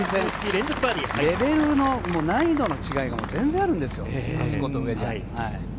レベルの難易度の違いが全然あるんですよ。